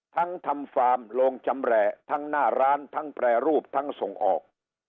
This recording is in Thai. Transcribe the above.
ทำฟาร์มโรงชำแหละทั้งหน้าร้านทั้งแปรรูปทั้งส่งออก